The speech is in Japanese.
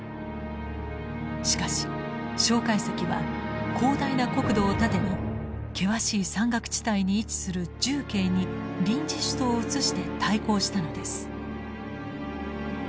しかし介石は広大な国土を盾に険しい山岳地帯に位置する重慶に臨時首都をうつして対抗したのです。